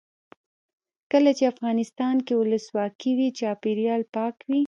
کله چې افغانستان کې ولسواکي وي چاپیریال پاک وي.